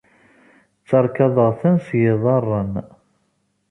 Ttarkaḍeɣ-ten s yiḍarren.